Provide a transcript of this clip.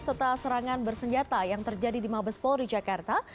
serta serangan bersenjata yang terjadi di mabespol rijakarta